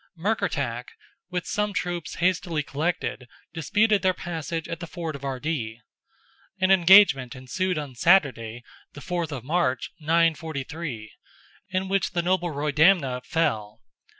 Murkertach, with some troops hastily collected, disputed their passage at the ford of Ardee. An engagement ensued on Saturday, the 4th of March, 943, in which the noble Roydamna fell.